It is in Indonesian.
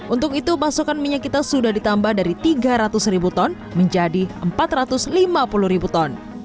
untuk itu pasokan minyak kita sudah ditambah dari tiga ratus ribu ton menjadi empat ratus lima puluh ribu ton